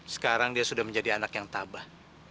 sekarang dia sudah menjadi anak yang tabah